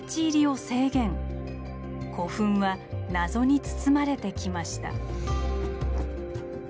古墳は謎に包まれてきました。